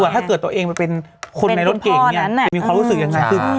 ถ้าเกิดตัวเองเป็นคนในรถเก่งจะมีความรู้สึกอย่างไร